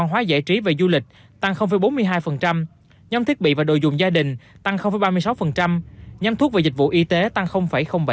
nhóm văn hóa giải trí và du lịch tăng bốn mươi hai nhóm thiết bị và đội dùng gia đình tăng ba mươi sáu nhóm thuốc và dịch vụ y tế tăng bảy